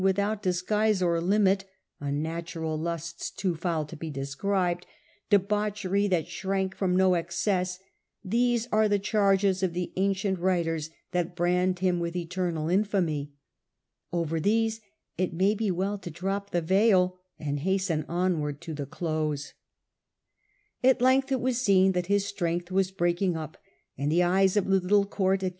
out disguise or limit, unnatural lusts too foul to be described, debauchery that shrank from no excess, these are the charges of the ancient writers that brand him with eternal infamy. Over these it may be well to drop the veil and hasten onward to the close. At length it was seen that his strength was breaking His death Up, and the eyes of the little court at (a.d.